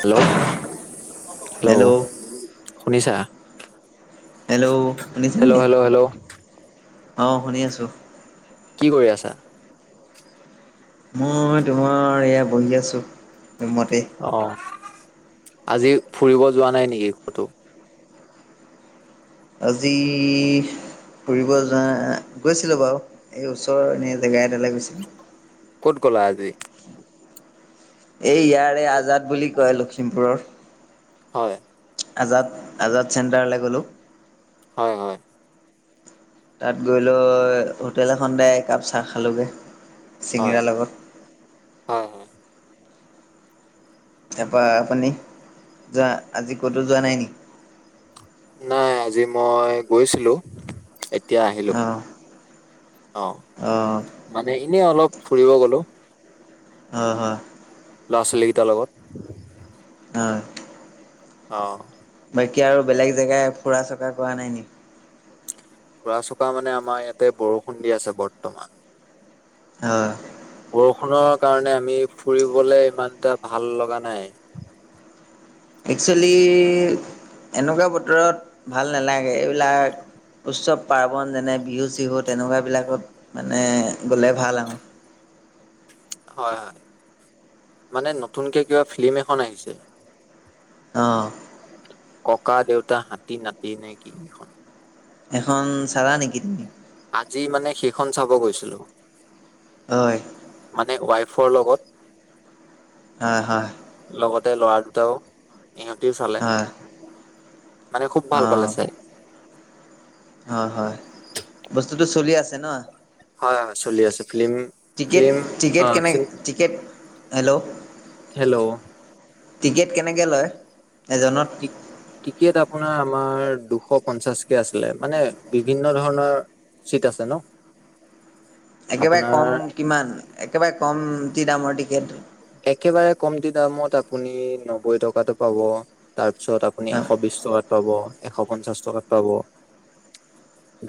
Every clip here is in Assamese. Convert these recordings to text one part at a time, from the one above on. হেল্ল' হেল্ল' শুনিছা? Hello hello, hello, hello. অ' শুনি আছো। কি কৰি আছা? মই তোমাৰ এয়া বহি আছো ৰুমতে। অ' আজি ফুৰিব যোৱা নাই নেকি ক'তো? আজি ফুৰিব যোৱা গৈছিলো বাৰু এই ওচৰৰ এনে জেগা এটালৈ গৈছিলো। ক'ত গ'লা আজি? এই ইয়াৰে আজাদ বুলি কয় লখিমপুৰৰ। হয়। আজাদ-আজাদ চেণ্টাৰলৈ গ'লোঁ। হয় হয়। তাত গৈ লৈ হোটেল এখনতে একাপ চাহ খালোঁগৈ হয় চিঙৰা লগত। হয় হয়। তাৰপৰা আপুনি যোৱা আজি ক'তো যোৱা নাই নেকি? নাই আজি মই গৈছিলো। এক এতিয়া আহিলো অঁ অ' অঁ মানে এনে অলপ ফুৰিব গলো। হয় হয়। ল'ৰা ছোৱালীকেইটাৰ লগত। হয়। অ'। বাকী আৰু বেলেগ জেগাই ফুৰা চকা কৰা নাই নেকি? ফুৰা চকা মানে আমাৰ ইয়াতে বৰষুণ দি আছে বৰ্তমান। হয়। বৰষুণৰ কাৰণে আমি ফুৰিবলে ইমান এটা ভাল লগা নাই। একচুৱেলি এনেকুৱা বতৰত ভাল নালাগে, এইবিলাক উৎসৱ পাৰ্বণ যেনে বিহু চিহু তেনেকুৱাবিলাকত মানে গ'লে ভাল আৰু। হয় হয়। মানে নতুনকে কিবা ফিল্ম এখন আহিছে। অঁ। ককা দেউতা হাতী নাতি নে কি এইখন? এখন চাবা নেকি তুমি? আজি মানে সেইখন চাব গৈছিলো। হয়। মানে ৱাইফৰ লগত। হয় হয়। লগতে ল'ৰা দুটাও সিহঁতিও চালে হয়। মানে খুব ভাল পালে অ', চাই। হয় হয় বস্তুটো চলি আছে ন? হয় হয় চলি আছে ফিল্ম টিকেট ফিল্ম টিকেট অ কেনে টিকেট হেল্ল' হেল্ল' টিকেট কেনেকৈ লয় এজনত? টিকেট আপোনাৰ আমাৰ দুশ পঞ্চাশ কেে আছিলে মানে বিভিন্ন ধৰণৰ চীত আছে ন। একেবাৰে আপোনাৰ কম কিমান একেবাৰে কমটি দামৰ টিকেট? একেবাৰে কমতি দামত আপুনি নব্বৈ টকাটো পাব, তাৰ পিছত আপুনি এশ হয়, বিশ টকাত পাব এশ পঞ্চাশ টকাত পাব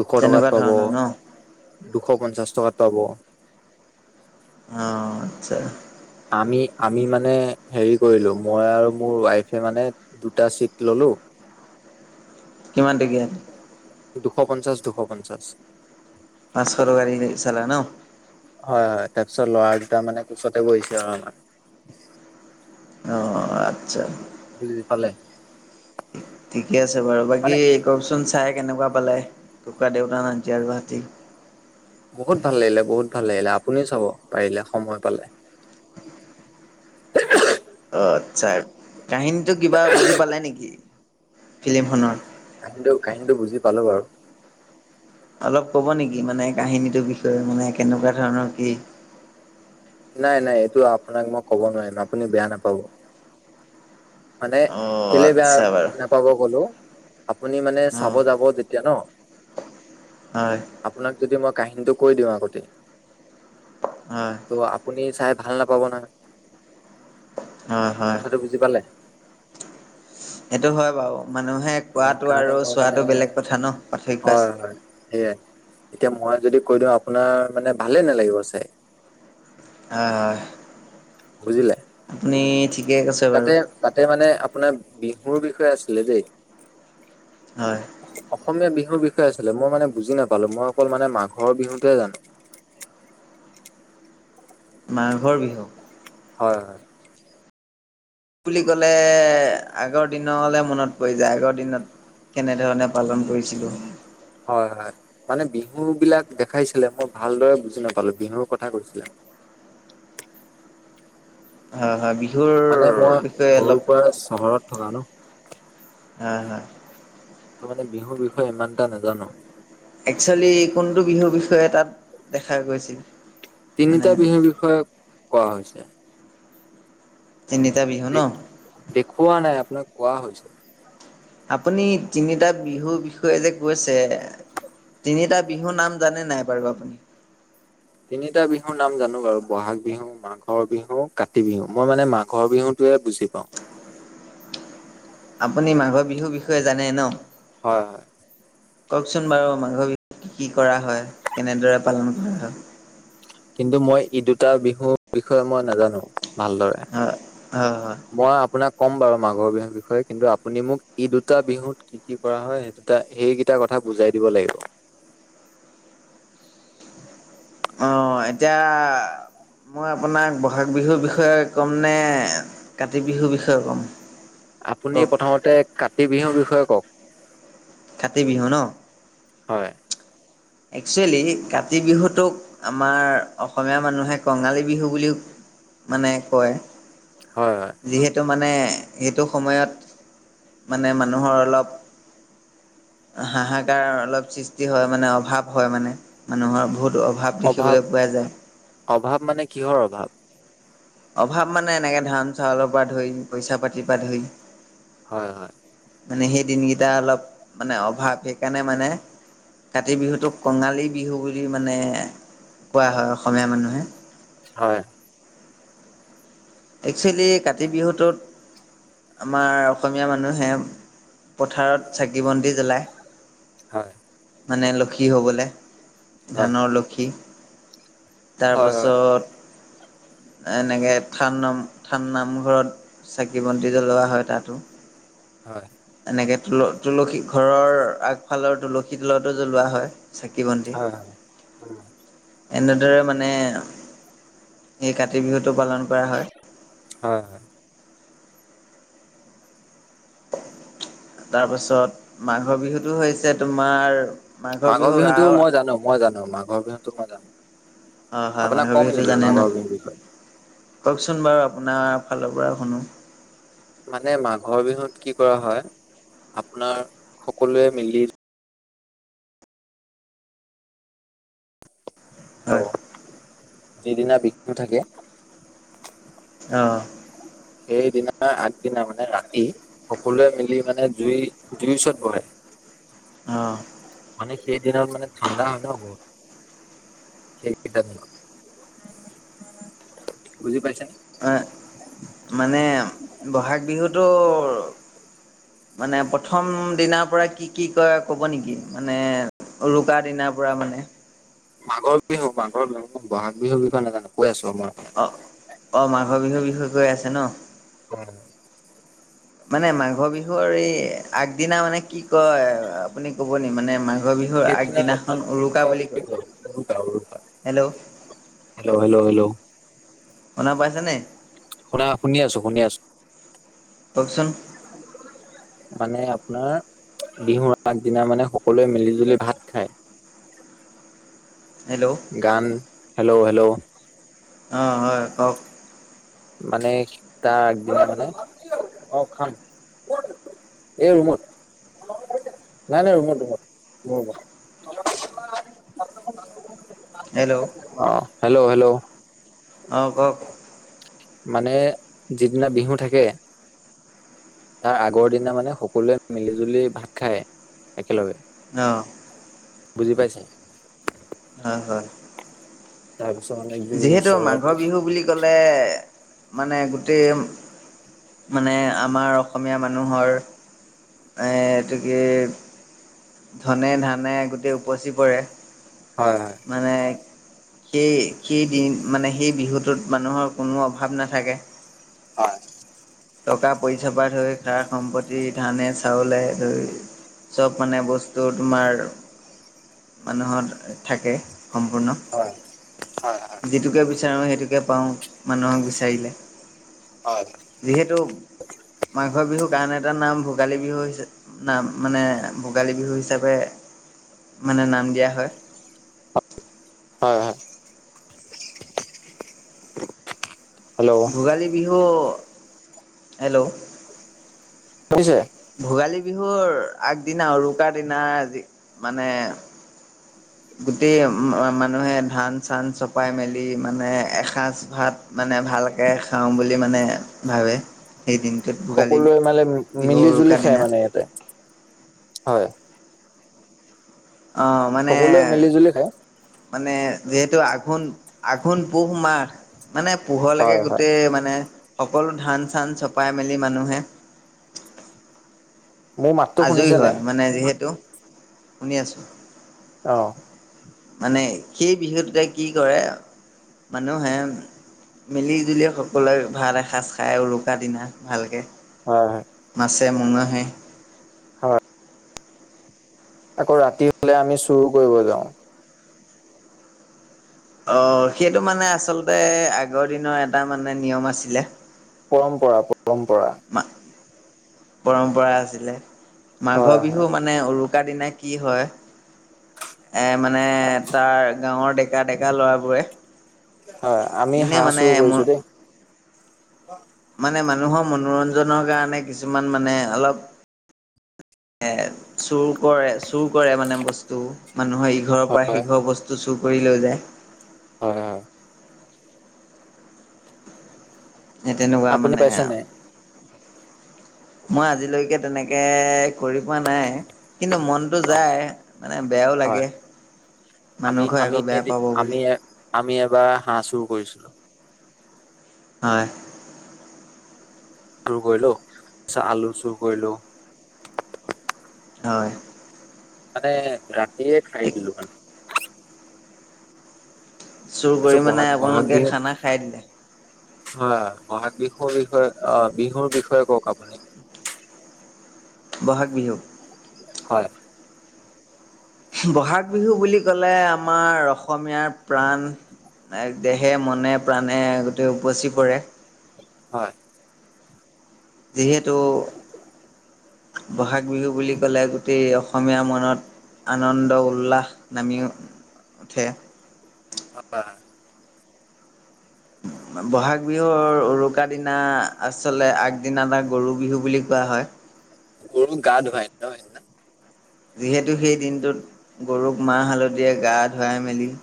দুশ তেনেকুৱা টকাত পাব ধৰণৰ ন? দুশ পঞ্চাশ টকাত পাব। অ আচ্ছা। আমি আমি মানে হেৰি কৰিলো মই আৰু মোৰ ৱাইফে মানে দুটা চিট ললো কিমান টকীয়া? দুশ পঞ্চাশ দুশ পঞ্চাশ। পাঁচশ টকা দি দি চালা ন। হয় হয় তাৰপিছত ল'ৰা দুটা মানে কোচতে বহিছে আৰু আমাৰ। অ আচ্ছা। বুজি পালে? ঠিকে আছে বাৰু মানে বাকী কওকচোন চাই কেনেকুৱা পালে ককা দেউতা নাটি আৰু হাতী? বহুত ভাল লাগিলে বহুত ভাল লাগিলে আপুনিও চাব পাৰিলে সময় পালে। অঁ আচ্ছা কাহিনীটো কিবা বুজি পালে নেকি ফিল্মখনৰ? কাহিনীটো কাহিনীটো বুজি পালো বাৰু। অলপ ক'ব নেকি মানে কাহিনীটোৰ বিষয়ে মানে কেনেকুৱা ধৰণৰ কি। নাই নাই এইটো আপোনাক মই কব নোৱাৰিম আপুনি বেয়া নাপাব। মানে অ কেলে বেয়া আচ্ছা বাৰু নোপাব কলো আপুনি মানে অ চাব যাব যেতিয়া ন হয়। আপোনাক যদি মই কাহিনীটো কৈ দিওঁ আগতে হয়। ত' আপুনি চাই ভাল নাপাব নহয় হয় হয় কথাটো বুজি পালে। এইটো হয় বাৰু মানুহে ত' কোৱাটো সেইকাৰণে আৰু মই মানে চোৱাটো বেলেগ কথা ন পাৰ্থক্য হয় আছে। হয় সেয়াই এতিয়া মই যদি কৈ দিওঁ আপোনাৰ মানে ভালে নালাগিব চাই। অ। বুজিলে? আপুনি ঠিক [inaudible] তাতে-তাতে মানে আপোনাৰ বিহুৰ বিষয়ে আছিলে দেই [inaudible] হয় [unintelligible] অসমীয়া বিহুৰ বিষয়ে আছিলে। মই মানে বুজি নাপালো মই অকল মানে মাঘৰ বিহুতোহে জানো। [unintelligible] মাঘৰ বিহু [inaudible] হয়-হয় [unintelligible] বুলি ক'লে আগৰ দিনলৈ মনত পৰি যায় আগৰ দিনত [inaudible] কেনেধৰণে পালন কৰিছিলোঁ। [inaudible] হয়-হয় মানে বিহুবিলাক দেখাইছিলে, মই ভালদৰে বুজি নাপালো, বিহুৰ কথা কৈছিলে। [unintelligible] হয়-হয় বিহু [inaudible] মানে মই সৰুৰ পৰাই চহৰত থকা ন। [unintelligible] হয়-হয় [inaudible] ত মানে বিহুৰ বিষয়ে ইমান এটা নাজানো। [unintelligible] একচুৱেলি কোনটো বিহুৰ বিষয়ে তাত দেখা গৈছিল মানে [inaudible] বিষয় [unintelligible] কোৱা হৈছে। তিনিটা বিহু ন? [unintelligible] দেখুওৱা নাই, আপোনাক কোৱা হৈছে। [inaudible] আপুনি তিনিটা বিহুৰ বিষয়ে যে কৈছে [unintelligible] তিনিটা বিহু নাম জানে নাই বাৰু আপুনি? [inaudible] তিনিটা বিহুৰ নাম জানো বাৰু বহাগ বিহু [inaudible] মাঘৰ বিহু, কাতি বিহু। মই মানে মাঘৰ বিহুটোহে বুজি পাওঁ। [inaudible] আপুনি মাঘৰ বিহুৰ বিষয়ে জানে ন? [inaudible] হয়-হয়। কওকচোন বাৰু মাঘৰ বিহু কি কৰা হয়? কেনেদৰে পালন কৰা হয়? [inaudible] কিন্তু মই ই দুটা বিহুৰ বিষয়ে মই নাজানো ভালদৰে হয় হয় হয় [inaudible] মই আপোনাক কম বাৰু মাঘৰ বিহুৰ বিষয়ে কিন্তু আপুনি মোক ই দুটা বিহুত [unintelligible] কি কি কৰা হয় সেই দুটা [inaudible] সেইকেইটা কথা বুজাই দিব লাগিব। অঁ এতিয়া মই আপোনাক বহাগ বিহুৰ বিষয়ে কম নে কাতি বিহুৰ বিষয়ে কম [inaudible] আপুনি কওক প্ৰথমতে কাতি বিহুৰ বিষয়ে কওক। [unintelligible] কাতি বিহু ন। [inaudible] হয়। একচুৱেলি কাতি বিহুটোক আমাৰ অসমীয়া মানুহে কঙালী বিহু বুলিও [unintelligible] মানে কয়। [inaudible] হয়-হয়। যিহেতু মানে সেইটো সময়ত মানে মানুহৰ অলপ হাহাকাৰ অলপ সৃষ্টি হয় মানে [unintelligible] অভাৱ হয় মানে, মানুহৰ বহুত অভাৱ দেখিবলৈ পোৱা যায়। অভাৱ মানে, কিহৰ অভাৱ? অভাৱ মানে এনেকে ধান, চাউলৰ পৰা ধৰি, পইচা পাতিৰ পৰা ধৰি [unintelligible] হয়-হয়। মানে সেই দিনকেইটা অলপ মানে অভাৱ সেইকাৰণে মানে [inaudible] কাতি বিহুটোক কঙালী বিহু বুলি মানে কোৱা হয় অসমীয়া মানুহে। [unintelligible] হয়। একচুৱেলি কাতি বিহুটোত- আমাৰ অসমীয়া মানুহে পথাৰত চাকি-বন্তি জ্বলায় হয় মানে লক্ষী হ'বলে। হয় ধানৰ লক্ষী হয় হয় হয় তাৰপাছত এনেকে থান নম থান নামঘৰত চাকি বন্তি জ্বলোৱা হয় তাতো। হয় এনেকে তুল তুলসী ঘৰৰ আগফালৰ তুলসী তলতো জ্বলোৱা হয়। চাকি বন্তি হয় হয় হয়। এনেদৰে মানে এই কাতি বিহুটো পালন কৰা হয়। হয় তাৰপাছত মাঘৰ বিহুটো হৈছে তোমাৰ মাঘৰ বিহুক বিহুতো আহ মই জানো, মই জানো মাঘৰ বিহুতো মই জানো হয় হয় আপোনাক মাঘৰ ক'ম বিহুটো নেকি জানে ন মাঘৰ বিহুৰ বিষয়ে? কওকচোন বাৰু আপোনাৰ ফালৰ পৰা শুনো। মানে মাঘৰ বিহুত কি কৰা হয়, আপোনাৰ সকলোৱে মিলি- অ হয় যিদিনা বিহু থাকে অ সেইদিনা আগদিনা মানে ৰাতি সকলোৱে মিলি মানে জুই, জুইৰ ওচৰত বহে। অ' মানে সেই দিনত মানে ঠাণ্ডা হয় ন বহুত সেইকেইটা দিনত। বুজি পাইছানে? এ মানে, মানে বহাগ বিহুটোৰ মানে প্ৰথম দিনাৰ পৰা কি কি কয় কব নেকি মানে উৰুকা দিনাৰ পৰা মানে মাঘৰ বিহু, মাঘৰ বিহু মই ব'হাগ বিহুৰ বিষয়ে নাজানো। কৈ আছো মই আপোনাক অ', অ' মাঘৰ বিহুৰ বিষয়ে কৈ আছে ন। [unintelligible] মানে মাঘৰ বিহুৰ এই আগদিনা মানে কি কয় আপুনি কব নি মানে মা- মাঘৰ বিহুৰ সেইদিনা আপোনাক আগদিনাখন উৰুকা বুলি কয়। উৰুকা উৰুকা হেল্ল' হেল্ল হেল্ল হেল্ল শুনা পাইছানে? শুনা শুনি আছোঁ, শুনি আছোঁ। কওঁকচোন [unintelligible] মানে আপোনাৰ বিহুৰ আগদিনা মানে সকলোৱে মিলি জুলি ভাত খায়, হেল্ল' অ গান হেল্ল', হেল্ল' অ', হয়, কওক মানে তাৰ আগদিন মানে অ' খাম এ ৰুমত নাই, নাই ৰুমত, ৰুমত মোৰ ৰুমত [unintelligible] হেল্ল' অ', হেল্ল', হেল্ল' অ', কওক মানে যিদিনা বিহু থাকে তাৰ আগৰ দিনা মানে সকলোৱে মিলিজুলি ভাত খায় একেলগে। অ'। বুজি পাইছা? হ, হ। তাৰপিছত মানে যিহেতু ওচৰত মাঘৰ বিহু বুলি ক'লে মানে গোটেই মানে আমাৰ অসমীয়া মানুহৰ এ, এইটো কি ধনে ধানে গোটেই উপচি পৰে। হয়, হয়। মানে সেই, সেই দিন মানে সেই বিহুটোত মানুহৰ কোনো অভাৱ নাথাকে। হয়। টকা পইচাপা ধৰি সা সম্পত্তি, ধানে চাউলে ধৰি চব মানে বস্তু তোমাৰ মানুহৰ থাকে সম্পূৰ্ণ। হয়, হয় হয়। যিটোকে বিচাৰোঁ সেইটোকে পাওঁ মানুহক বিচাৰিলে। হয়। যিহেতু মাঘৰ বিহুৰ আন এটা নাম ভোগালী বিহু হৈছে। নাম মানে ভোগালী বিহু হিচাপে মানে নাম দিয়া হয়। হয় হয়। [inaudible] Hello Bhogali Bihu, hello. শুনিছে? ভোগালী বিহুৰ আগদিনা, উৰুকাৰ দিনা আজি মানে গোটেই মানুহে ধান চান চপাই মেলি মানে এসাঁজ ভাত মানে ভালকৈ খাওঁ বুলি মানে ভাবে। সেই দিনটোত ভোগালী সকলোৱে মানে বিহু মিলি উৰুকা জুলি খায় দিনা মানে ইয়াতে, হয়। অ' মানে সকলোৱে মিলি জুলি খায় মানে যিহেতু আঘোণ, আঘোণ পুহ মাহ মানে পোহলৈকে হয় হয় গোটেই মানে সকলো ধান চান চপাই মেলি মানুহে মোৰ মাতটো আজৰি শুনিছে নাই হয় মানে যিহেতু, শুনি আছোঁ। অ'। মানে সেই বিহুটোতে কি কৰে মানুহে মিলি জুলি সকলোৱে ভাত এসাঁজ খাই উৰুকাৰ দিনা ভালকে। হয় হয়। মাছে, মঙেহে। হয়। আকৌ ৰাতি হ'লে আমি চুৰ কৰিব যাওঁ। অ' সেইটো মানে আচলতে আগৰ দিনৰ এটা মানে নিয়ম আছিলে। পৰম্পৰা, পৰম্পৰা। পৰম্পৰাই আছিলে। মাঘৰ হয় হয় বিহু মা নে উৰুকা দিনা কি হয় এ, মানে তাৰ গাঁৱৰ ডেকা ডেকা ল'ৰাবোৰে হয় আমি এনে হাঁহ মানে চুৰ কৰিছো দেই। মানে মানুহৰ মনোৰঞ্জনৰ কাৰণে কিছুমান মানে অলপ এ চুৰ কৰে চুৰ কৰে মানে বস্তু মানুহৰ ইঘৰৰ হয় পৰা সিঘৰ বস্তু চুৰ কৰি লৈ যায়। হয় হয়। সে তেনেকুৱা আপুনি মানে পাইছে আ নাই মই আজিলৈকে তেনেকে কৰি পোৱা নাই কিন্তু মন টো অ যায় মানে বেয়াও হয় লাগে, আমি মানুহ ঘৰে আমি আকৌ বেয়া পাব বুলি। আমি আমি এবাৰ হাঁহ চুৰ কৰিছিলো। হয়। চুৰ কৰিলো, ছা আলু চুৰ কৰিলো। হয়। মানে ৰাতিয়ে খাই এক দিলো মান- চুৰ কৰি এছাব মানে বহাগ বহাগ আপোনালোকে বিহু খানা খাই দিলে হয় বহাগ বিহুৰ বিষয়ে অ বিহুৰ বিষয়ে কওক আপুনি? বহাগ বিহু। হয়। বহাগ বিহু বুলি ক'লে আমাৰ অসমীয়াৰ প্ৰাণ দেহে মনে প্ৰাণে গোটেই উপচি পৰে। হয়। যিহেতু বহাগ বিহু বুলি ক'লে গোটেই অসমীয়া মনত আনন্দ উল্লাস নামি উঠে। হ হয়। বহাগ বিহুৰ উৰুকা দিনা আচলতে আগদিনা বা গৰু বিহু বুলি কোৱা হয়। গৰুক গা ধুৱাই ন সেইদিনা? যিহেতু সেই দিনটোত গৰুক মাহ হালধিৰে গা ধুৱাই মেলি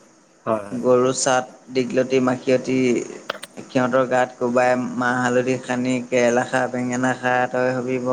হয় হয় গৰু চাট দীঘলতি মাখিয়তী সিহঁতৰ গাত কোবাই মাহ হালধি খানি কেৰেলা খা বেঙেনা খা তই হবি ব-